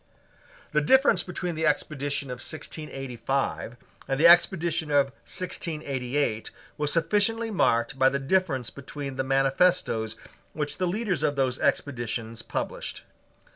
The difference between the expedition of 1685 and the expedition of 1688 was sufficiently marked by the difference between the manifestoes which the leaders of those expeditions published.